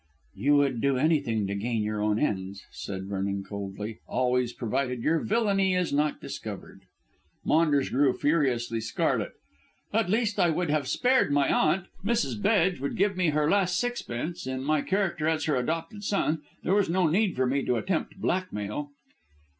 "You would do anything to gain your own ends," said Vernon coldly, "always provided your villainy was not discovered." Maunders grew furiously scarlet. "At least I would have spared my aunt. Mrs. Bedge would give me her last sixpence in my character as her adopted son. There was no need for me to attempt blackmail."